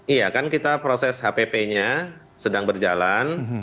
iya kan kita proses hpp nya sedang berjalan